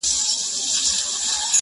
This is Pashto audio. ما ويل وېره مي پر زړه پرېوته_